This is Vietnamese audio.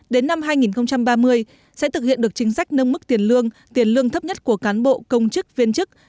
đến năm hai nghìn ba mươi sẽ thực hiện được chính sách nâng mức tiền lương tiền lương thấp nhất của cán bộ công chức viên chức